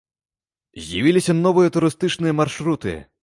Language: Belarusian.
З'явіліся новыя турыстычныя маршруты.